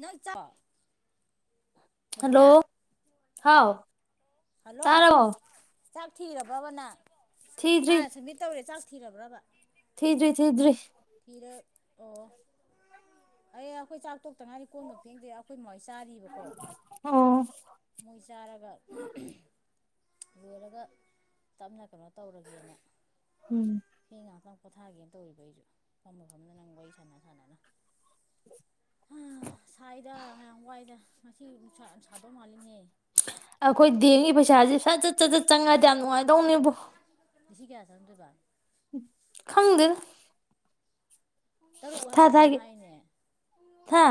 ꯅꯣꯏ [unintelligible] ꯔꯕꯤꯅꯥ ꯍꯜꯂꯣ ꯍꯥꯎ ꯍꯜꯂꯣ ꯇꯥꯔꯕꯣ ꯁꯤꯔꯕꯕꯅꯪ ꯍꯥ ꯊꯤꯗ꯭ꯔꯤ ꯁꯃꯤꯠ ꯇꯧꯔꯦ ꯆꯥꯛ ꯊꯤꯔꯕ꯭ꯔꯥꯕ ꯊꯤꯗ꯭ꯔꯤ ꯊꯤꯗ꯭ꯔꯤ ꯊꯤꯔꯛ ꯑꯣ ꯑꯩ ꯑꯈꯣꯏ ꯆꯥꯛꯇꯣꯛ ꯇꯥ ꯉꯥꯏꯔꯤ ꯀꯣꯟꯒ ꯐꯦꯡꯗꯦ ꯑꯈꯣꯏ ꯃꯥꯍꫭꯏ ꯆꯥꯔꯤꯕꯀꯣ ꯑꯣ ꯃꯣꯏ ꯆꯥꯔꯒ ꯂꯣꯏꯔꯒ ꯇꯞꯅ ꯀꯩꯅꯣ ꯇꯧꯔꯒꯦꯅ ꯎꯝ ꯃꯤ ꯉꯛꯇꯪ ꯄꯣꯊꯥꯒꯦꯅ ꯇꯧꯔꯤꯕ ꯑꯩꯖꯨ ꯐꯝꯅ ꯐꯝꯅ ꯅꯪ ꯋꯥꯔꯤ ꯁꯥꯟꯅ ꯁꯥꯟꯅꯅ ꯑ ꯁꯥꯏꯗ ꯌꯥꯝ ꯋꯥꯏꯗ ꯉꯁꯤ ꯅꯨꯡꯁꯥ ꯌꯥꯝ ꯁꯥꯗꯧ ꯃꯥꯜꯂꯤꯅꯦꯍꯦ꯫ ꯑꯩꯈꯣꯏ ꯗꯦꯡꯒꯤ ꯄꯩꯁꯥꯁꯦ ꯁꯠꯆꯠ ꯆꯠꯖꯠ ꯆꯪꯉꯗꯤ ꯌꯥꯝ ꯅꯨꯡꯉꯥꯏꯗꯧꯅꯦꯕꯣ꯫ ꯉꯁꯤ ꯀꯌꯥ ꯆꯪꯉꯛꯗꯣꯏꯕ? ꯈꯪꯗꯦꯗꯥ꯫ ꯇꯔꯨꯛ ꯊꯥ ꯍꯥꯏꯕ꯭ꯔꯣ ꯀꯩꯅꯣꯝ ꯊꯥꯒꯤ ꯍꯥꯏꯅꯦ ꯍꯥ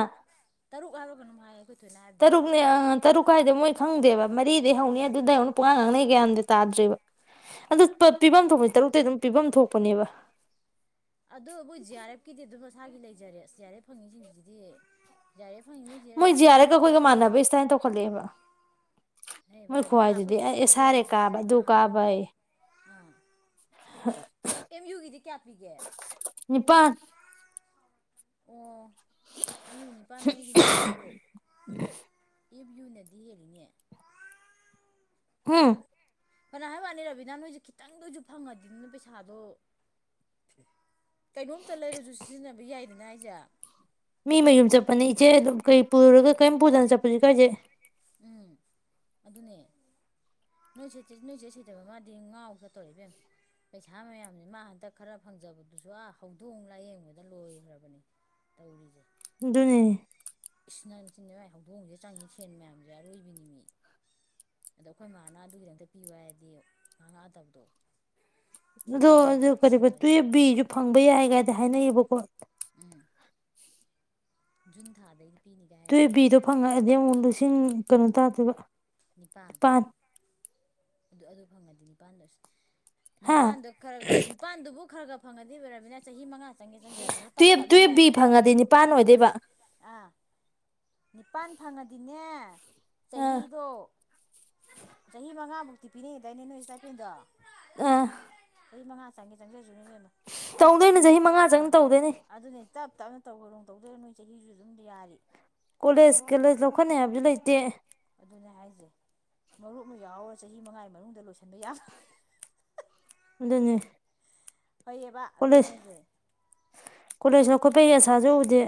ꯇꯔꯨꯛ ꯍꯥꯏꯕꯔ ꯀꯩꯅꯣꯝ ꯍꯥꯏꯌꯦ꯫ ꯇꯔꯨꯛꯅꯤ ꯑ꯫ ꯇꯔꯨꯛ ꯍꯥꯥꯏꯗ ꯃꯣꯏ ꯈꯪꯗꯦꯕ ꯃꯔꯤꯗꯩ ꯍꯧꯅꯤ ꯑꯗꯨꯗ ꯍꯧꯅ ꯄꯨꯡꯉꯥ ꯉꯥꯡꯅꯩ ꯒꯌꯥꯟꯗ ꯇꯥꯗ꯭ꯔꯦꯕ ꯑꯗꯨ ꯄꯤꯚꯝ ꯊꯣꯛꯄꯅꯤ ꯇꯔꯨꯛꯇꯩꯩ ꯑꯗꯨꯝ ꯄꯤꯚꯝ ꯊꯣꯛꯄꯅꯦꯕ꯫ ꯑꯗꯨ ꯃꯣꯏ ꯖꯤ ꯑꯥꯔ ꯑꯦꯐꯀꯤꯗꯤ ꯑꯗꯨꯝ ꯃꯁꯥꯒꯤ ꯂꯩꯖꯔꯦ ꯖꯤ ꯑꯥꯔ ꯑꯦꯐ ꯐꯪꯉꯤꯁꯤꯡꯁꯤꯁꯤꯗꯤ ꯃꯣꯏ ꯖꯤꯌꯥꯔ ꯑꯦꯞꯀ ꯑꯩꯈꯣꯏꯒ ꯃꯥꯟꯅꯕꯩ ꯁꯇꯥꯏꯜ ꯇꯧꯈꯠꯂꯛꯑꯦꯕ꯫ ꯍꯩꯕ ꯃꯣꯏ ꯔꯕꯤꯅꯥ ꯑꯩꯈꯣꯏ ꯈꯨꯍꯥꯏꯗꯨꯗꯤ ꯑꯩ ꯑꯁꯥꯔꯦ ꯀꯥꯕ ꯑꯗꯨ ꯑꯥ ꯀꯥꯕ ꯑꯩ꯫ ꯑꯥ ꯑꯦꯝ ꯌꯨꯒꯤꯗꯤ ꯀꯌꯥꯄꯤꯒꯦ? ꯅꯤꯄꯥꯟ ꯑꯣ꯫ ꯑꯦꯝ ꯌꯨ ꯅꯤꯄꯥꯥꯟ ꯅꯣꯏꯒꯤꯅ ꯇꯔꯨꯛ ꯑꯗꯨ ꯑꯦꯝ ꯌꯨꯅꯗꯤ ꯌꯦꯜꯂꯤꯅꯦ꯫ [unintelligible] ꯐꯅ ꯍꯥꯏ ꯋꯥꯅꯤ ꯔꯕꯤꯅꯥ ꯅꯣꯏꯁꯦ ꯈꯤꯇꯪꯗꯁꯨ ꯐꯪꯉꯗꯤꯗꯅ ꯄꯩꯁꯥꯗꯣ ꯀꯩꯅꯣꯝꯇ ꯂꯩꯔꯁꯨ ꯁꯤꯖꯤꯟꯅꯕ ꯌꯥꯏꯗꯅ ꯍꯥꯏꯖꯑꯦ꯫ ꯃꯤ ꯃꯌꯨꯝ ꯆꯠꯄꯅꯤ ꯏꯆꯦ ꯑꯗꯨꯝ ꯀꯩ ꯄꯨꯔꯒ ꯀꯔꯤꯝ ꯄꯨꯗꯅ ꯆꯠꯄꯁꯦ ꯀꯥꯏꯖꯩ꯫ ꯎꯝ ꯑꯗꯨꯅꯦ ꯅꯣꯏ ꯁꯦ ꯅꯣꯏ ꯁꯦꯠ ꯁꯤꯗꯕ ꯃꯥꯗꯤ ꯉꯥꯎꯒ ꯇꯧꯔ ꯏꯕꯦꯝ ꯄꯩꯁꯥ ꯃꯌꯥꯝꯁꯦ ꯃꯥ ꯍꯟꯗꯛ ꯈꯔ ꯐꯪꯖꯕꯗꯨꯁꯨ ꯑꯥ ꯍꯧꯗꯣꯡ ꯂꯥꯏꯌꯦꯡꯕꯗ ꯂꯣꯏꯈ꯭ꯔꯕꯅꯤ ꯇꯧꯔꯤꯁꯦ꯫ ꯗꯨꯅꯦ ꯫ [unintelligible] ꯃꯥꯏꯍꯥꯗꯣꯡꯁꯦ ꯆꯥꯡꯉꯤ ꯁꯦꯟꯅ ꯃꯌꯥꯝ ꯑꯗꯨ ꯑꯔꯣꯏꯕꯤꯅꯤ ꯃꯤ ꯑꯗꯣ ꯑꯩꯈꯣꯏ ꯃꯥꯅ ꯑꯗꯨꯒꯤꯗꯪꯛꯇ ꯄꯤꯌꯨ ꯍꯥꯏꯔꯗꯤ ꯉꯍ ꯉꯥꯛꯑꯗꯕꯗꯣ ꯑꯗꯣ ꯑꯗꯨ ꯀ ꯇꯨꯌꯦꯐ ꯋꯥꯔꯦꯝꯑꯅ ꯕꯤꯁꯨ ꯐꯪꯕ ꯌꯥꯏ ꯀꯥꯏꯗ ꯍꯥꯏꯅꯩꯌꯦꯕꯀꯣ꯫ ꯎꯝ꯫ ꯍꯨꯟ ꯊꯥꯗꯩ꯫ ꯇꯨꯕꯤꯗꯣ ꯐꯪꯉꯛꯑꯗꯤ ꯑꯃꯨꯛ ꯂꯤꯁꯤꯡ ꯀꯩꯅꯣ ꯇꯥꯗꯣꯏꯕ ꯅꯤꯄꯥꯜ ꯅꯤꯄꯥꯟ ꯑꯗꯨ ꯑꯗꯨ ꯐꯪꯒ [unintelligible] ꯍꯥ ꯅꯤꯄꯥꯜꯗ ꯈꯔ ꯅꯤꯄꯥꯟꯗꯨꯕꯨ ꯈꯔ ꯒ ꯐꯪꯉꯗꯤ ꯑꯣꯏꯔꯕꯅꯤꯅ ꯆꯍꯤ ꯃꯉꯥ ꯆꯪꯒꯦ ꯆꯪꯖꯁꯅꯨ ꯇꯞ ꯇꯨꯌꯦꯞ ꯇꯨꯌꯦꯞ ꯇꯞꯅꯅꯦ ꯕꯤ ꯐꯪꯉꯗꯤ ꯅꯤꯄꯥꯥꯟ ꯑꯣꯏꯗꯣꯏꯕ ꯑꯥ ꯅꯤꯄꯥꯟ ꯐꯪꯉꯗꯤꯅꯦ ꯑꯥ ꯆꯍꯤꯗꯣ ꯆꯍꯤ ꯃꯉꯥꯃꯨꯛꯇꯤ ꯄꯤꯅꯩꯌꯦꯗꯥꯏꯅꯦ ꯅꯣꯏ ꯏꯁꯇꯥꯏꯄꯦꯟꯗꯣ ꯑ ꯆꯍꯤ ꯃꯉꯥ ꯆꯪꯒꯦ ꯆꯪꯖꯁꯅꯨ ꯇꯞ ꯇꯧꯗꯣꯏꯅꯦ ꯇꯞꯅꯅꯦ ꯆꯍꯤ ꯃꯉꯥ ꯑꯥ ꯆꯪꯅ ꯇꯧꯗꯣꯏꯅꯦ ꯑꯗꯨꯅꯤ ꯇꯞ ꯇꯞꯅ ꯇꯧ [unintelligible] ꯇꯧꯗꯣꯏꯔ ꯅꯣꯏ ꯆꯍꯤꯁꯨ ꯑꯗꯨꯝ ꯌꯥꯔꯤ ꯀꯣꯂꯦꯖ ꯀꯣꯂꯦꯖ ꯂꯧꯈꯠꯅꯤ ꯍꯥꯏꯕꯁꯨ ꯂꯩꯇꯦ ꯑꯗꯨꯅꯦ ꯍꯥꯏꯁꯦ ꯃꯔꯨꯞ ꯑꯃ ꯌꯥꯎꯔ ꯆꯍꯤ ꯃꯉꯥꯒꯤ ꯃꯅꯨꯡꯗ ꯂꯣꯏꯁꯤꯟꯕ ꯌꯥ ꯑꯗꯨꯅꯦ ꯐꯩꯌꯦꯕ ꯑꯗꯨꯅꯦ ꯍꯥꯏꯁꯦ ꯀꯣꯂꯦꯖ ꯂꯧꯈꯠꯄꯩ ꯑꯁꯥꯁꯨ ꯎꯗꯦ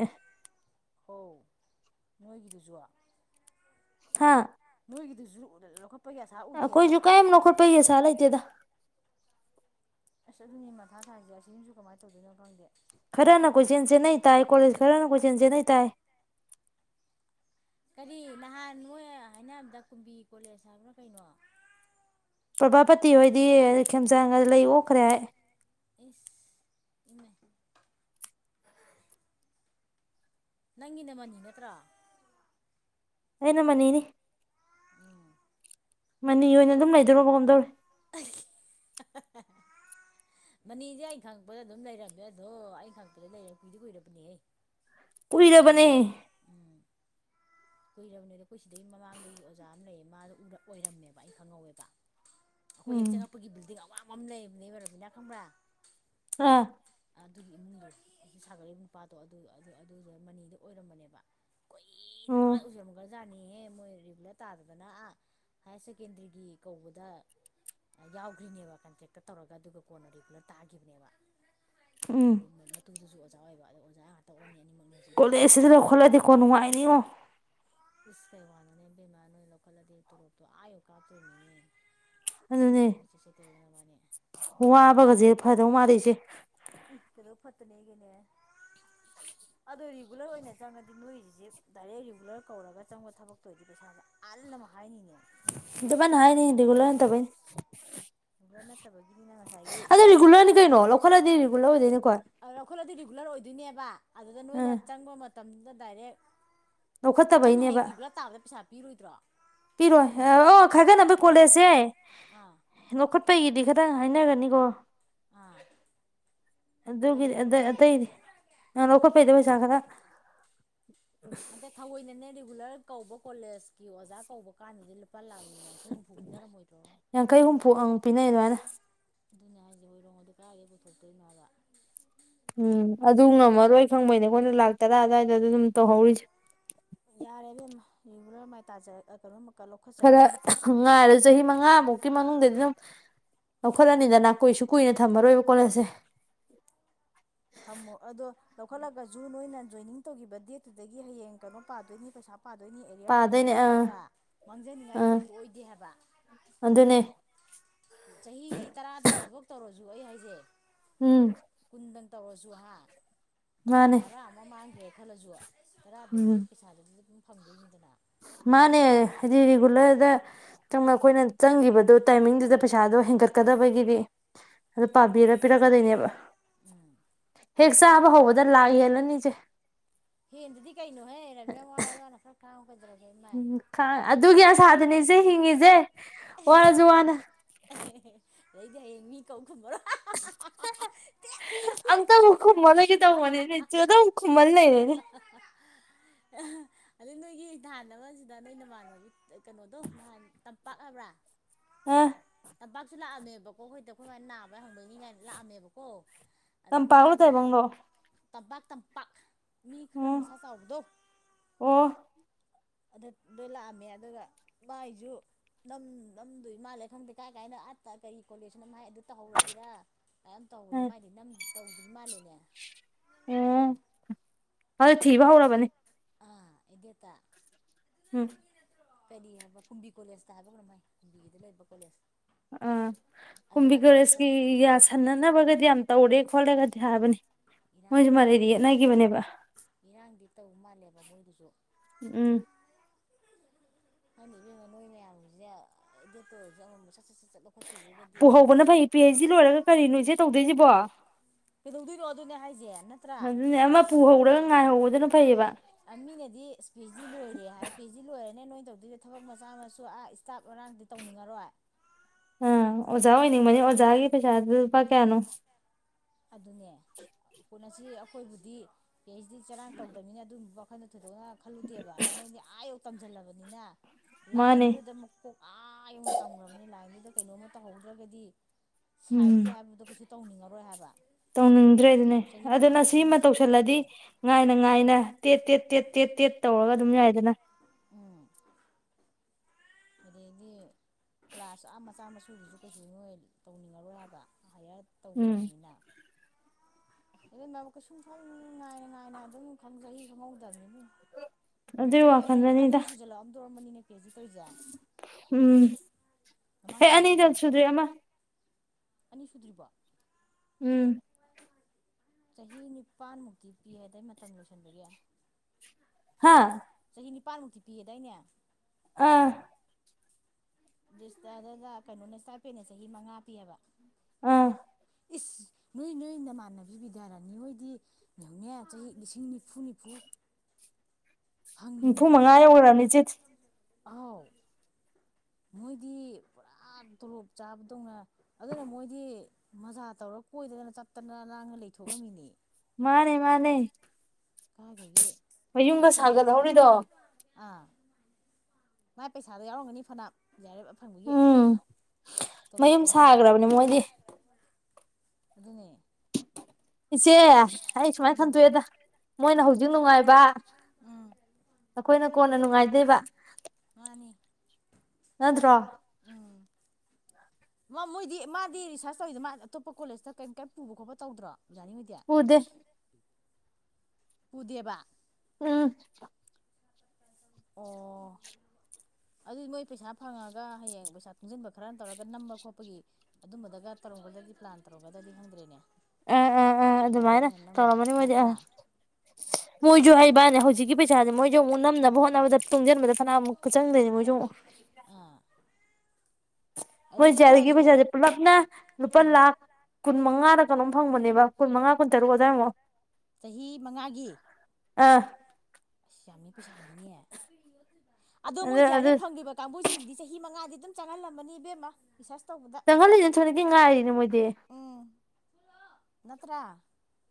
ꯑꯧ ꯅꯣꯏꯒꯤꯗꯨꯖꯨ ꯍꯥꯥ ꯅꫭꯏꯒꯤꯗꯨꯁꯨ ꯂꯧꯈꯠ ꯑꯈꯣꯏꯁꯨꯨ ꯀꯩꯝ ꯂꯧꯈꯠꯄꯩ ꯑꯁꯥ ꯂꯩꯇꯦꯗ ꯑꯁ ꯑꯗꯨꯅꯦ ꯃꯊꯥ ꯁꯥꯏꯁꯦ ꯑꯁꯤꯨꯃꯁꯨ ꯀꯃꯥꯏꯅ ꯇꯧꯗꯣꯏꯅꯣ ꯈꯪꯗꯦ ꯈꯔ ꯅ ꯍꯟꯗꯛꯀꯤ ꯀꯣꯏꯆꯦꯟ ꯆꯦꯟꯅꯩ ꯇꯥꯏ ꯀꯣꯂꯦꯖ ꯈꯔꯅ ꯀꯣꯏꯆꯦꯟ ꯆꯦꯟꯅꯩ ꯇꯥꯏ ꯀꯔꯤ ꯅꯍꯥꯟ ꯃꯣ ꯍꯥꯏꯅꯕꯗ ꯀꯨꯝꯕꯤ ꯀꯣꯂꯦꯖ ꯍꯥꯏꯕ꯭ꯔ ꯀꯩꯅꯣ ꯄ꯭ꯔꯚꯥꯄꯇꯤ ꯍꯣꯏꯗꯤ ꯈꯦꯝꯆꯥꯟꯒ ꯂꯩ ꯑꯣꯛꯈ꯭ꯔꯦ ꯍꯥꯏ ꯏꯁ ꯏꯃꯥꯏ ꯅꯪꯒꯤꯅ ꯃꯅꯤ ꯅꯠꯇ꯭ꯔꯣ ꯑꯩꯅ ꯃꯅꯤꯅꯤ [inaudible] ꯃꯅꯤ ꯑꯗꯩ ꯑꯣꯏꯅ ꯑꯩꯈꯣꯏ ꯑꯗꯨꯝ ꯂꯩꯗꯧꯔꯕꯒꯨꯝ ꯇꯧꯔꯦ ꯃꯅꯤꯁꯦ ꯑꯩꯅ ꯈꯪꯉꯛꯄꯗ ꯑꯗꯨꯝ ꯂꯩꯔꯝꯃꯦ ꯑꯗꯣ ꯑꯩꯅ ꯈꯪꯉꯛꯄꯗ ꯂꯩꯔ ꯀꯨꯏꯗꯤ ꯀꯨꯏꯔꯕꯅꯤꯍꯦ ꯀꯨꯏꯔꯕꯅꯦ ꯀꯨꯏꯔꯕꯅꯦꯗꯤ ꯑꯩꯈꯣꯏ ꯁꯤꯗꯩ ꯃꯃꯥꯡꯗꯒꯤ ꯑꯣꯖꯥ ꯑꯃ ꯂꯩꯌꯦ ꯃꯥꯗꯣ ꯑꯣꯏꯔꯛ [unintelligible] ꯑꯩ ꯈꯪꯍꯧꯋꯦꯕ ꯑꯩꯈꯣꯏ ꯍꯦꯛ ꯎꯝ ꯆꯪꯉꯄꯒꯤ ꯕꯤꯜꯗꯤꯡ ꯑꯋꯥꯡꯕ ꯑꯃ ꯂꯩꯔꯝꯅꯤꯕ ꯔꯣꯕꯤꯅꯥ ꯈꯪꯕ꯭ꯔꯥ ꯑꯥ ꯑꯗꯨꯒꯤ ꯏꯃꯨꯡꯒ ꯁꯥꯒꯠꯂꯤꯕ ꯅꯨꯄꯥꯗꯣ ꯑꯗꯨ ꯑꯗꯨ ꯑꯗꯨꯗꯣ ꯃꯅꯤꯗ ꯑꯣꯏꯔꯝꯕꯅꯦꯕ ꯀꯨꯏ ꯌꯥ ꯎꯝ [unintelligible] ꯑꯣꯖꯥꯅꯤꯍꯦ ꯃꯣꯏ ꯔꯤꯒꯨꯂꯔ ꯇꯥꯗꯗꯅ ꯑꯥ ꯍꯥꯌꯔ ꯁꯦꯀꯦꯟꯗꯔꯤꯒꯤ ꯀꯧꯕꯗ ꯌꯥꯎꯈ꯭ꯔꯤꯅꯦꯕ ꯀꯟꯇ꯭ꯔꯦꯛꯇ ꯇꯧꯔꯒ ꯑꯗꯨꯒ ꯀꯣꯟꯅ ꯔꯤꯒꯨꯂꯔ ꯇꯥꯈꯤꯕꯅꯦꯕ ꯎꯝ ꯑꯗꯩꯩ ꯃꯇꯨꯗꯨꯁꯨ ꯑꯣꯖꯥ ꯑꯣꯏꯌꯦꯕ ꯑꯗꯨ ꯑꯣꯖꯥ ꯑꯣꯟꯅꯤ ꯑꯅꯤꯃꯛꯅꯤ ꯍꯧꯖꯤꯛ ꯑꯗꯨꯝ ꯀꯣꯂꯦꯖꯁꯤꯗ ꯋꯥꯡꯈꯠꯂ ꯂꯩꯗꯣ ꯂꯧꯈꯠꯂꯗꯤꯀꯣ ꯅꯨꯡꯉꯥꯏꯅꯤꯉꯣ ꯏꯁ ꯀꯩ ꯋꯥꯅꯣꯅꯦ ꯏꯕꯦꯝꯃ ꯅꯣꯏ ꯂꯧꯈꯠꯂꯗꯤ ꯇꯣꯂꯣꯞꯇꯣ ꯑꯥ ꯌꯧꯅ ꯀꯥꯞꯇꯣꯏꯅꯤꯅꯦ ꯑꯗꯨꯅꯦ ꯅꯣꯏ ꯆꯦꯆꯦ ꯇꯦꯕꯣꯡ ꯅꯕꯥꯅꯤ ꯋꯥꯕꯒꯁꯦ ꯐꯗꯧ ꯃꯥꯜꯂꯦ ꯏꯆꯦ ꯏ ꯀꯩꯗꯧ ꯐꯠꯇꯅꯤꯒꯦꯅꯦ ꯑꯗꯣ ꯔꯤꯒꯨꯂꯔ ꯑꯣꯏꯅ ꯆꯪꯉꯗꯤ ꯅꯣꯏꯒꯤꯁꯦ ꯗꯥꯏꯔꯦꯛ ꯔꯤꯒꯨꯂꯔ ꯀꯧꯔꯒ ꯆꯪꯕ ꯊꯕꯛꯇꯣ ꯑꯣꯏꯔꯗꯤ ꯄꯩꯁꯥꯁꯦ ꯑꯥ [inaudible] ꯗꯕꯥꯅ ꯍꯥꯏꯅꯦ ꯔꯦꯒꯨꯂꯔ ꯅꯠꯇꯕꯩ ꯑꯗꯨ ꯅꯠꯇꯕꯒꯤꯅꯤꯅ ꯉꯁꯥꯏꯒꯤ ꯑꯗꯣ ꯔꯤꯒꯨꯂꯔꯅꯤ ꯀꯩꯅꯣ ꯂꯧꯈꯠꯂꯗꯤ ꯔꯤꯒꯨꯂꯔ ꯑꯣꯏꯗꯣꯏꯅꯤꯀꯣ ꯑꯗꯣ ꯂꯧꯈꯠꯂꯗꯤ ꯔꯤꯒꯨꯂꯔ ꯑꯣꯏꯗꯣꯏꯅꯦꯕ ꯑꯗꯨꯗ ꯅꯣꯏꯅ ꯑꯥ ꯆꯪꯕ ꯃꯇꯝꯗꯨꯗ ꯗꯥꯏꯔꯦꯛ ꯅꯪ ꯂꯧꯈꯠꯇꯕꯩꯅꯦꯕ ꯍꯌꯦꯡꯒꯤ [unintelligible] ꯇꯥꯕꯥ ꯄꯩꯁꯥ ꯄꯤꯔꯣꯏꯗ꯭ꯔꯣ? ꯄꯤꯔꯣꯏ ꯑꯃꯨꯛ ꯑꯣ ꯈꯥꯏꯒꯠꯅꯕ ꯀꯣꯂꯦꯖꯁꯦ ꯑꯥ ꯂꯧꯠ ꯄꯩꯒꯤꯗꯤ ꯈꯗ ꯍꯥꯏꯅꯒꯅꯤ ꯀꯣ꯫ ꯑꯥ ꯑꯗꯨꯅꯤ ꯑꯗꯨꯒꯤꯗꯤ ꯑ ꯂꯧꯈꯠꯄꯒꯤꯗ ꯑꯇꯩꯗꯤ ꯅꯪ ꯂꯧꯈꯠꯄꯩꯗꯣ ꯄꯩꯁꯥ ꯈꯔ ꯑꯗ ꯊꯑꯣꯏꯅꯅꯦ ꯔꯤꯒꯨꯂꯔ ꯀꯧꯕ ꯀꯣꯂꯦꯖꯀꯤ ꯑꯣꯖꯥ ꯀꯧꯕ ꯀꯥꯟꯅꯗꯤ ꯄꯥ ꯂꯥꯛ ꯌꯥꯡꯈꯩ - ꯍꯨꯝꯐꯨ ꯄꯤꯅꯔꯝꯃꯣꯏꯗꯔꯣ? ꯌꯥꯡꯈꯩ ꯍꯨꯝꯐꯨ ꯑꯪ [inaudible] ꯑꯗꯨꯅꯦ ꯍꯥꯏꯁꯦ [unintelligible] ꯀꯥꯏꯒꯤ ꯄꯨꯊꯣꯛꯇꯣꯏꯅꯣ ꯍꯥꯏꯕ? ꯎꯝ ꯑꯗꯨ ꯉꯝꯃꯔꯣꯏ ꯈꯪꯕꯩꯅꯦ ꯑꯩꯈꯣꯏꯅ ꯂꯥꯛ ꯇꯔꯥ ꯑꯗꯨꯋꯥꯏꯗ ꯑꯗꯨꯝ ꯇꯧꯍꯧꯔꯤꯁꯦ꯫ ꯌꯥꯔꯦꯕꯦꯝ ꯔꯤꯒꯨꯂꯔ ꯃꯥꯏ ꯇꯥꯖꯔꯛ ꯑꯥ ꯀꯩ ꯈꯔ ꯉꯥꯏꯔꯒ ꯆꯍꯤ ꯃꯉꯥꯃꯨꯛꯀꯤ ꯃꯅꯨꯡꯗꯗꯤ ꯑꯗꯨꯝ ꯂꯧꯈꯠꯂꯅꯤꯗ ꯅꯥ ꯀꯨꯏꯁꯨ - ꯀꯨꯏꯅ ꯊꯝꯃꯔꯣꯏꯕ ꯀꯣꯂꯦꯖ ꯁꯦ꯫ ꯊꯝꯃꯣ ꯑꯗꯣ ꯂꯧꯈꯠꯂꯒꯁꯨ ꯅꯣꯏꯅ ꯖꯣꯏꯅꯤꯡ ꯇꯧꯈꯤꯕ ꯗꯦꯠꯇꯨꯗꯒꯤ ꯍꯌꯦꯡ ꯀꯩꯅꯣ ꯄꯥꯗꯣꯏꯅꯤ ꯄꯩꯁꯥ꯫ ꯄꯥꯗꯣꯏꯅꯤ ꯑꯦꯔꯤꯌꯔ ꯄꯥꯗꯣꯏꯅꯦ ꯐꯪꯗꯣꯏꯅꯤ ꯑꯥ ꯅꯠꯇ꯭ꯔꯥ ꯃꯥꯡꯖꯅꯤꯡꯉꯥꯏꯗꯤ ꯑꯥ ꯀꯩꯁꯨ ꯑꯣꯏꯗꯦ ꯍꯥꯏꯕ꯫ ꯑꯗꯨꯅꯦ ꯆꯍꯤ ꯇꯔꯥꯗꯪ ꯊꯕꯛ ꯇꯧꯔ ꯁꯨꯨ ꯑꯩ ꯍꯥꯏꯁꯦ꯫ ꯎꯝ꯫ ꯀꯨꯟꯗꯪ ꯇꯧꯔꯁꯨ ꯍꯥ? ꯃꯥꯅꯦ ꯇꯔꯦ ꯑꯃ ꯃꯥꯥꯡꯒꯔꯦ ꯫ ꯍꯂꯖꯨ ꯈꯔꯥ ꯑꯗꯨꯒꯤ ꯎꯝ ꯄꯩꯁꯥꯗꯨ ꯐꯪꯗꯣꯏꯅꯤꯗꯅ꯫ ꯃꯥꯅꯦ ꯍꯥꯏꯗꯤ ꯔꯤꯒꯨꯂꯔꯗꯪ ꯑꯩꯈꯣꯏꯅ ꯆꯪꯈꯤꯕꯗꯣ ꯇꯥꯏꯃꯤꯡꯗꯨꯗ ꯄꯩꯁꯥꯗꯣ ꯍꯦꯟꯒꯠꯀꯗꯕꯒꯤꯗꯤ ꯑꯗꯨ ꯄꯥꯕꯤꯔ ꯄꯤꯔꯛꯀꯗꯣꯏꯅꯦꯕ꯫ ꯎꯝ ꯍꯦꯛ ꯑꯁ ꯑꯗꯨ ꯆꯥꯕ ꯃꯇꯝ ꯍꯧꯕꯗ ꯂꯥꯛꯍꯦꯜꯂꯅꯤꯁꯦ꯫ ꯍꯦꯟꯗꯗꯤ ꯀꯩꯅꯣ ꯍꯦ [unintelligible] ꯎꯝ ꯑꯗꯨꯒꯤ ꯍꯥꯏ ꯑꯁꯥꯗꯅꯤ ꯂꯧꯈꯠ ꯏꯆꯦ ꯆꯠꯁꯤꯟ ꯍꯤꯡꯉꯁꯦ ꯋꯥꯔꯖꯨ ꯋꯥꯅꯥ꯫ ꯑꯗꯩꯗꯤ ꯍꯌꯦꯡ ꯃꯤ ꯀꯧ ꯈꯨꯝꯃꯔꯣꯏ ꯇꯦꯠ ꯇꯦꯠ ꯂꯩ ꯑꯝꯇꯕꯨ ꯊꯦꯛꯇꯅ ꯈꯨꯝꯃꯔꯣꯏꯒꯦ ꯇꯧꯕꯅꯦ ꯏꯆꯦ ꯑꯗꯨꯝ ꯈꯨꯃꯍꯜ ꯂꯩꯔꯦ꯫ [unintelligible] ꯑꯗꯩ ꯅꯣꯏꯒꯤ ꯊꯥꯟꯅꯕꯁꯤꯗ ꯅꯣꯏ ꯅꯃꯥꯟꯅꯕꯒꯤ ꯀꯅꯣꯗꯨ ꯅꯥꯍꯥꯟ ꯇꯝ ꯄꯥꯛꯂꯕ꯭ꯔꯥ ꯑ ꯇꯝꯄꯥꯛꯁꯨ ꯂꯥꯛꯑꯝꯃꯦꯕꯀꯣ ꯑꯩꯈꯣꯏꯗ ꯈꯣꯏꯃꯥ ꯅꯥꯕ ꯍꯪꯕꯅꯤ ꯀꯥꯏꯅ ꯂꯥꯛꯑꯝꯃꯦꯕꯀꯣ ꯑꯗ ꯇꯝꯄꯥꯛꯂꯣ ꯃꯥꯒꯤꯁꯨ ꯇꯥꯢꯕꯪꯂꯣ ꯇꯝꯄꯥꯛ ꯇꯝꯄꯥꯛ ꯃꯤ ꯈꯔ ꯃꯁꯥ ꯆꯥꯎꯕꯗꯣ ꯑꯣ ꯑꯗꯨ ꯑꯗꯨ ꯂꯥꯛꯑꯝꯃꯦ ꯑꯗꯨꯒ ꯃꯥꯏꯁꯨ ꯅꯝ ꯅꯝꯗꯣꯏ ꯏ ꯃꯥꯜꯂꯦ ꯈꯪꯗꯦ ꯀꯥꯏ ꯀꯥꯏꯅ ꯑꯥꯠꯇ ꯀꯩ ꯀꯣꯂꯦꯖꯅꯥꯏ ꯑꯗꯨ ꯇꯧꯍꯧꯔꯁꯤꯔ ꯌꯥꯝ ꯇꯧꯕꯅꯤ ꯎꯝ ꯃꯥꯥꯏꯗꯤ ꯅꯝ ꯇꯧꯗ꯭ꯔꯤ ꯃꯥꯂꯦꯅꯦ ꯑꯣ ꯑꯗꯨ ꯊꯤꯕ ꯍꯧꯔꯕꯅꯤ ꯑꯥ ꯑꯦꯗꯦꯠꯇꯥ ꯎꯝ ꯀꯔꯤ ꯍꯥꯏꯕ ꯀꯨꯝꯕꯤ ꯀꯣꯂꯦꯖꯇ ꯍꯥꯏꯕ꯭ꯔ ꯀꯩꯅꯣꯝ ꯍꯥꯏ ꯀꯨꯝꯕꯤꯒꯤꯗ ꯂꯩꯕ ꯀꯣꯂꯦꯖ ꯑꯥ ꯀꯨꯝꯕꯤ ꯑꯗꯨꯅ ꯍꯥꯟꯅ ꯈ꯭ꯋꯥꯏ ꯀꯣꯂꯦꯖꯀꯤ ꯌꯥꯁꯟꯅꯅꯕꯒꯗꯤ ꯌꯥꯝ ꯇꯧꯔꯦ ꯈꯣꯠꯂꯦꯒꯗꯤ ꯍꯥꯏꯕꯅꯤ ꯏꯔꯥꯡ ꯃꯣꯏꯁꯨ ꯏꯔꯥꯡ ꯃꯔꯩꯗꯤ ꯌꯦꯠꯅꯈꯤꯕꯅꯦꯕ ꯇꯧꯔꯤꯃꯥꯅꯦ ꯃꯃꯣꯏꯗꯨꯁꯨ ꯎꯝ ꯈꯪꯗꯦ ꯢꯕꯦꯝꯃ ꯅꯣꯏ ꯃꯌꯥꯝꯒꯤꯁꯦ ꯑꯦꯗꯦꯠꯇ ꯑꯣꯏꯔꯁꯦ ꯑꯃꯃꯝ ꯁꯠ ꯁꯠ ꯁꯠ ꯁꯠ ꯂꯧꯈꯠꯄꯤꯈ꯭ꯔꯒꯗꯤ ꯄꯨꯍꯧꯕꯅ ꯐꯩ ꯄꯤ ꯑꯩꯆ ꯗꯤ ꯂꯣꯏꯔꯒ ꯀꯔꯤꯅꯣꯁꯦ ꯇꯧꯗꯣꯏꯁꯤꯕꯣ ꯀꯩꯗꯧꯗꯣꯏꯅꯣ ꯑꯗꯨꯅꯦ ꯍꯥꯏꯁꯦ ꯅꯠꯇ꯭ꯔꯥ ꯑꯗꯨꯅꯦ ꯑꯃ ꯄꯨꯍꯧꯔꯒ ꯉꯥꯏꯍꯧꯕꯗꯨꯅ ꯐꯩꯌꯦꯕ ꯑ ꯃꯤꯅꯗꯤ ꯑꯁ ꯄꯦ ꯑꯩꯆ ꯗꯤ ꯂꯣꯏꯔꯦ ꯍꯥꯏ ꯄꯦ ꯑꯩꯆ ꯗꯤ ꯂꯣꯏꯔ ꯅꯦ ꯅꯣꯏ ꯇꯧꯗꯣꯏꯗ ꯊꯕꯛ ꯃꯆꯥ ꯃꯁꯨ ꯑꯥ ꯏꯁꯇꯥꯐ ꯉꯔꯥꯡꯗꯤ ꯇꯧꯅꯤꯡꯉꯔꯣꯏ ꯑꯥ ꯑꯣꯖꯥ ꯑꯣꯏꯅꯤꯡꯕꯅꯤ ꯑꯣꯖꯥꯒꯤ ꯄꯩꯁꯥꯗꯨ ꯂꯨꯄꯥ ꯀꯌꯥꯅꯣ ꯑꯗꯨꯅꯦ ꯎꯅꯁꯤ ꯑꯩꯈꯣꯏꯕꯨꯗꯤ ꯄꯤ ꯑꯩꯆ ꯗꯤ ꯆꯔꯥꯡ ꯇꯧꯗꯕꯅꯤꯅ ꯑꯗꯨꯕ ꯊꯣꯏꯗꯣꯛꯅ ꯈꯜꯂꯨꯗꯦꯕ ꯑꯗꯣ ꯅꯣꯏꯗꯤ ꯑꯥ ꯌꯧ ꯇꯝꯁꯤꯜꯂꯕꯅꯤꯅ ꯃꯥꯅꯦ ꯂꯥꯏꯟꯗꯨꯗ ꯑꯃꯨꯛ ꯀꯣꯛꯀꯥ ꯌꯧꯅ ꯇꯝꯈ꯭ꯔꯕꯅꯤ ꯂꯥꯏꯟꯗꯨꯗ ꯀꯩꯅꯣꯝꯃ ꯇꯧꯍꯧꯗ꯭ꯔꯒꯗꯤ ꯎꯝ ꯁꯥꯏꯠꯀꯤ ꯍꯥꯏꯗꯣ ꯀꯩꯁꯨ ꯇꯧꯅꯤꯡꯉꯔꯣꯏ ꯍꯥꯏꯕ ꯇꯧꯅꯤꯡꯗ꯭ꯔꯦ ꯑꯗꯨꯅꯦ ꯆꯍꯤ ꯃꯉꯥ ꯑꯗꯨꯅ ꯇꯔꯨꯛ ꯆꯪ ꯁꯤꯃ ꯔꯤꯁꯥꯔꯁ ꯇꯧꯁꯤꯜꯂꯗꯤ ꯇꯧꯗꯣꯏꯅꯦ ꯉꯥꯏꯅ ꯉꯥꯏꯅ ꯇꯦꯠ ꯇꯦꯠ ꯇꯦꯠ ꯇꯦꯠ ꯇꯦꯠ ꯇꯧꯔꯒ ꯑꯗꯨꯝ ꯌꯥꯏꯗꯅ ꯑꯗꯤ ꯀ꯭ꯂꯥꯁ ꯆꯥ ꯃꯆꯥꯝꯃ ꯁꯨꯕꯤꯁꯨ ꯀꯩꯁꯨ ꯅꯣꯏ ꯇꯧꯅꯤꯡꯉꯔꯣꯏ ꯍꯥꯏꯕ ꯍꯥꯏꯌꯔ ꯎꯝ ꯇꯧꯈ꯭ꯔꯕꯅꯤꯅ ꯑꯗꯨꯕꯨ ꯀꯩꯁꯨꯝ ꯈꯪ ꯅꯥꯏꯅ ꯅꯥꯏꯅ ꯑꯗꯨꯝ ꯈꯪꯖ ꯈꯪꯍꯧꯗꯕꯅꯤ ꯅꯣꯏ ꯑꯗꯨꯏ ꯆꯍꯤ ꯑꯅꯤ ꯑꯅꯤ ꯋꯥꯈꯜꯗꯅꯤꯗ ꯁꯨꯖꯜꯂꯛ ꯑꯝꯗ꯭ꯔꫭ ꯕꯅꯤꯅꯦ ꯑꯦ ꯍꯧꯖꯤꯛ ꯇꯧꯏꯖꯦ ꯎꯝ ꯃꯃꯥꯡ ꯍꯦ ꯑꯅꯤ ꯆꯍꯤꯗꯒꯤ ꯒ ꯁꯨꯗ꯭ꯔꯤ ꯑꯃ ꯑꯅꯤ ꯁꯨꯗ꯭ꯔꯤꯕꫭ ꯎꯝ ꯆꯍꯤ ꯅꯤꯄꯥꯜꯃꯨꯛꯇꯤ ꯄꯤ ꯍꯥꯏꯗꯥꯏ ꯃꯇꯝ ꯂꯣꯏꯁꯤꯟꯕꯒꯤ ꯍꯥꯥ ꯆꯥꯍꯤ ꯅꯤꯄꯥꯟꯃꯨꯛꯇꯤ ꯄꯤꯌꯦꯗꯥꯏꯅꯦ ꯑꯥ [unintelligible] ꯑꯗꯨꯗ ꯀꯩꯅꯣꯅꯦ ꯏꯁꯇꯥꯏꯄꯦꯅ ꯆꯍꯤ ꯃꯉꯥ ꯄꯤꯌꯦꯕ ꯑꯥ ꯏꯁ ꯅꯣꯏ ꯅꯣꯏ ꯅꯃꯥꯟꯅꯕꯤ ꯕꯤꯗꯔꯅꯤ ꯍꯣꯏꯗꯤ ꯌꯧꯅꯦ ꯆꯍꯤ ꯂꯤꯁꯤꯡ ꯅꯤꯐꯨ ꯅꯤꯐꯨ ꯅꯤꯐꯨ ꯃꯉꯥ ꯌꯧꯒꯔꯃꯤ ꯏꯆꯦ ꯑꯥꯎ ꯃꯣꯏꯗꯤ ꯄꯨꯔꯥ ꯇꯣꯂꯣꯞ ꯆꯥꯕꯗꯧꯅ ꯑꯗꯨꯅ ꯃꯣꯏꯗꯤ ꯃꯖꯥ ꯇꯧꯔ ꯀꯣꯏꯗꯅ ꯆꯠꯇꯅ ꯂꯥꯡꯗꯅ ꯂꯩꯊꯣꯛ ꯉꯝꯃꯤꯅꯦ ꯃꯥꯅꯦ ꯃꯥꯅꯦ ꯀꯥꯏꯗꯒꯤ ꯃꯌꯨꯝꯒ ꯑꯩꯈꯣꯏꯁꯨ ꯁꯥꯒꯠꯍꯧꯔꯤꯗꯣ ꯑꯥ ꯃꯥꯏ ꯄꯩꯁꯥꯗꫭ ꯌꯥꯎꯔꯝꯒꯅꯤ ꯐꯅꯝ ꯎꯝ ꯃꯌꯨꯝ ꯇꯣꯂꯣꯞꯇꯨꯅ ꯁꯥꯈ꯭ꯔꯕꯅꯦ ꯃꯣꯏꯗꯤ ꯑꯗꯨꯅꯦ ꯏꯆꯦ ꯑꯩ ꯁꯨꯃꯥꯏ ꯎꯝ ꯈꯟꯗꯣꯛ ꯑꯦꯗꯥ ꯃꯣꯏꯅ ꯍꯧꯖꯤꯛ ꯅꯨꯡꯉꯥꯏꯕ ꯎꯝ ꯑꯈꯣꯏꯅ ꯀꯣꯟꯅ ꯅꯨꯡꯉꯥꯏꯗꫭꯏꯕ ꯃꯥꯅꯤ ꯅꯠꯇ꯭ꯔꯣ ꯎꯝ ꯃꯥ ꯃꯣꯏꯗꯤ ꯃꯥꯗꯤ ꯔꯤꯁꯥꯔꯁ ꯇꯧꯋꯗꫭ ꯃꯥ ꯑꯇꯣꯞꯄ ꯀꯣꯂꯦꯖꯇ ꯀꯔꯤꯝ ꯀꯔꯤꯝ ꯄꯨꯕ ꯈꯣꯠꯄ ꯇꯧꯗ꯭ꯔꯣ ꯕꯤꯗꯔꯅꯤ ꯍꫭꯏꯗꯤ ꯎꯗꯦ ꯄꯨꯗꯦꯕꯥ ꯎꯝ ꯑꯣ ꯑꯗꯨꯗꯤ ꯃꯣꯏ ꯄꯩꯁꯥ ꯐꯪꯉꯒ ꯍꯌꯦꯡ ꯄꯩꯁꯥ ꯇꯨꯡꯖꯟꯕ ꯈꯔ ꯇꯧꯔꯒ ꯅꯝꯕ ꯈꯣꯠꯄꯒꯤ ꯑꯗꯨꯝꯕꯗꯒ ꯇꯧꯔꯝꯒꯗ꯭ꯔꯗꯤ ꯄ꯭ꯂꯥꯟ ꯇꯧꯔꯝꯒꯗ꯭ꯔꯗꯤ ꯈꯪꯗ꯭ꯔꯦꯅꯦ ꯑꯥ ꯑꯥ ꯑꯥ ꯗꯥꯏꯔꯦꯛ ꯑꯗꯨꯃꯥꯏꯅ ꯑꯣꯏꯅ ꯅꯝꯕ ꯇꯧꯔꯝꯃꯅꯤ ꯃꯣꯏꯗꯤ ꯑꯥ ꯅꯠꯇ꯭ꯔꯥ ꯃꯣꯏꯖꯨ ꯍꯩꯕꯅꯦ ꯍꯧꯖꯤꯛꯀꯤ ꯄꯩꯁꯥꯥꯁꯦ ꯃꯣꯏꯖꯨ ꯑꯃꯨꯛ ꯅꯝꯅꯕ ꯍꯣꯠꯅꯕꯗ ꯇꯨꯡꯖꯟꯕꯗ ꯐꯅꯝꯃꯨꯛꯀ ꯆꯪꯗꫭꯏꯅꯦ ꯃꯣꯏꯖꯨ ꯑꯃꯨꯛ ꯑꯥ ꯃꯣꯏ ꯑꯗꯨꯗꯤ ꯖꯤ ꯑ꯭ꯔ ꯑꯦꯐ ꯈꯔꯁꯨ ꯄꯩꯁꯥꯁꯦ ꯄꯨꯂꯞꯅ ꯂꯨꯄꯥ ꯎꯝ ꯂꯥꯛ ꯀꯨꯟ ꯃꯉꯥꯔ ꯀꯩꯅꯣꯝ ꯐꯪꯕꯅꯦꯕ ꯀꯨꯟ ꯃꯉꯥ ꯀꯨꯟ ꯇꯔꯨꯛ ꯑꯗꯨꯋꯥꯏꯃꯨꯛ ꯆꯍꯤ ꯃꯉꯥꯒꯤ ꯑꯥ ꯑꯁ ꯌꯥꯝꯃꯤ [unintelligible] ꯑꯗꯣ ꯃꯣꯏ ꯑꯗꯨ ꯑꯗꯨ ꯖꯤꯌꯥꯔꯦꯞ ꯐꯪꯒꯤꯕ ꯀꯥꯡꯕꯨꯁꯤꯡꯁꯤꯗꯤ ꯆꯍꯤ ꯃꯉꯥꯗꯤ ꯗꯨꯝ ꯆꯪꯍꯜꯂꯝꯃꯅꯤ ꯏꯕꯦꯝꯃ ꯔꯤꯁꯁ ꯆꯪꯍꯜꯂꯤꯅꯤ ꯊꯣꯏꯅꯀꯤ ꯉꯥꯏꯔꯤꯅꯦ ꯃꯣꯏꯗꯤ ꯅꯠꯇ꯭ꯔ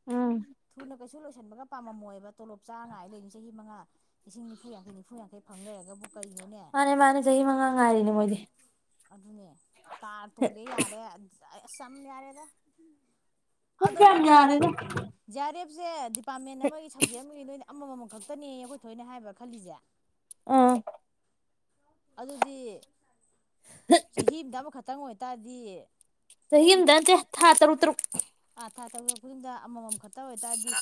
ꯎꯝ ꯊꯨꯅ ꯀꯩꯁꯨ ꯂꯣꯏꯁꯟꯕꯒ ꯄꯥꯝꯃꯝꯃꯣꯏꯕ ꯇꯣꯂꯣꯞ ꯆꯥ ꯉꯥꯏ ꯂꯩꯕ ꯆꯍꯤ ꯃꯉꯥ ꯂꯤꯁꯤꯡ ꯅꯤꯐꯨ ꯌꯥꯡꯈꯩ ꯅꯤꯐꯨ ꯌꯥꯡꯈꯩ ꯐꯪꯂꯩꯔꯒꯕꯨ ꯃꯥꯅꯦ ꯃꯥꯅꯦ ꯆꯍꯤ ꯃꯉꯥꯡꯉꯏꯔꯤꯅꯦ ꯃꯣꯏꯗꯤ ꯑꯗꯨꯅꯦ ꯀꯥꯔ ꯇꯣꯒꯦ ꯌꯥꯔꯦ ꯑꯁ ꯆꯝ ꯌꯥꯔꯦꯗ [unintelligible] ꯌꯥꯔꯦꯗ ꯔꯦꯞꯁꯦ ꯗꯤꯞ ꯄꯥꯃꯦꯟ ꯑꯃꯒꯤ ꯁꯞꯖꯦꯛ ꯑꯃꯒꯤ ꯅꯣꯏꯅ ꯑꯃꯃꯝꯃꯝ ꯈꯛꯇꯅꯦꯌꯦ ꯑꯈꯣꯏ ꯊꯣꯏꯅ ꯍꯥꯏꯕ ꯈꯜꯂꯤꯖꯦ ꯑꯥ ꯑꯗꯨꯗꯤ ꯆꯍꯤꯝꯗ ꯑꯃꯈꯠ ꯇꯪ ꯑꯣꯏꯇꯥꯗꯤ ꯆꯍꯤꯝꯗꯅꯠꯇꯦ ꯊꯥ ꯇꯔꯨꯛ ꯇꯔꯨꯛ ꯑꯥ ꯊꯥ ꯇꯔꯨꯛ ꯇꯔꯨꯛ ꯈꯨꯗꯤꯡꯗꯥ ꯑꯃꯃꯝ ꯈꯠ ꯇ ꯑꯣꯏꯇꯥꯗꯤ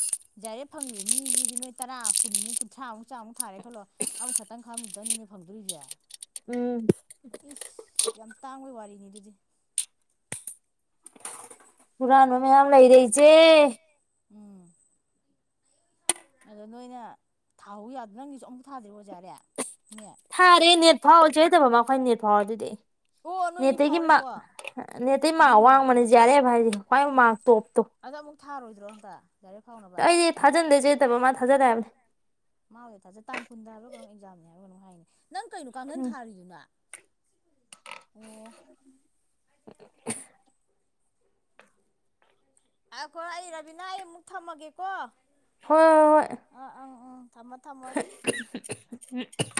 ꯖꯤꯌꯥꯔꯦꯞ ꯐꯪꯉꯤꯕ ꯃꯤꯖꯤꯗꯤ ꯅꯣꯏ ꯇꯔꯥ ꯀꯨꯟꯃꯨꯛ ꯀꯨꯟꯊ꯭ꯔꯥꯃꯨꯛ ꯆꯥꯝꯃꯨꯛ ꯊꯥꯔꯦ ꯈꯜꯂꯣ ꯑꯃꯈꯇꯪ ꯈꯝ ꯇꯅꯤꯅꯦ ꯐꯪꯗꯣꯏꯖꯦ ꯎꯝ ꯏꯁ ꯌꯥꯝ ꯇꯥꯡꯕꯩ ꯋꯥꯔꯤꯅꯤ ꯑꯗꯨ [inaudible] ꯍꯨꯔꯥꯟꯕ ꯃꯌꯥꯝ ꯂꯩꯔꯦ ꯏꯆꯦ ꯎꯝ ꯑꯗꯣ ꯅꯣꯏꯅ ꯊꯥꯍꯧ ꯌꯥꯗ ꯅꯪꯒꯤꯖꯨ ꯑꯃꯨꯛ ꯊꯥꯗ꯭ꯔꯤꯕꯣ ꯖꯤꯌꯥꯔꯦꯞ ꯊꯥꯔꯦ ꯅꯦꯠ ꯐꯥꯎ ꯆꯦ [unintelligible] ꯑꯩꯈꯣꯏ ꯅꯦꯠ ꯐꯥꯎꯗꯨꯗꯤ ꯑꯣ ꯅꯣꯏꯅꯤ ꯅꯦꯠꯇꯒꯤ ꯃꯥ ꯐꯥꯎꯔꯦꯀꯣ ꯅꯦꯇꯩ ꯃꯥꯛ ꯆꯨꯝꯃꯤꯅꯦꯍꯦ ꯑꯋꯥꯡꯕꯅꯦ ꯖꯦꯌꯥꯔꯦꯞ ꯍꯥꯏꯗꯤ [unintelligible] ꯑꯗꯣ ꯑꯃꯨꯛ ꯊꯥꯔꯣꯏꯗ꯭ꯔꯣ ꯍꯟꯇ ꯖꯦꯌꯥꯔꯦꯞ ꯐꯥꯎꯅꯕ ꯑꯩꯗꯤ [unintelligible] ꯃꯥꯕꯨꯗꯤ ꯊꯥꯖꯩ ꯇꯥꯡ ꯀꯨꯟꯗ ꯍꯥꯏꯕꯔ꯭ ꯀꯩꯅꯣꯝ ꯑꯦꯛꯖꯥꯝꯅꯦ ꯍꯥꯏꯕꯔ꯭ ꯀꯩꯅꯣꯝ ꯍꯥꯏꯅꯦ ꯅꯪ ꯀꯩꯅꯣ ꯀꯥꯡꯈꯟ ꯎꯝ ꯊꯥꯔꯤꯗꯨꯅ ꯑꯣ [unintelligible] ꯑꯈꯣꯏ ꯑꯩ ꯔꯥꯕꯤꯅꯥ ꯑꯩ ꯑꯃꯨꯛ ꯊꯝꯃꯒꯦꯀꯣ ꯍꯣꯏ ꯍꯣꯏ ꯍꯣꯏ ꯑꯥ ꯑꯪ ꯎꯝ ꯊꯝꯃꯣ ꯊꯝꯃꯣ ꯎꯝ ꯎ [unintelligible]